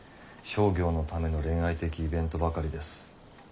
商業のための恋愛的イベントばかりです。